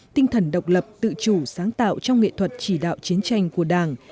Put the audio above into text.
tinh thần độc lập tự chủ sáng tạo trong nghệ thuật chỉ đạo chiến tranh của đảng